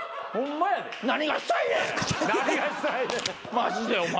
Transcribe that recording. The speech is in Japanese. マジでお前。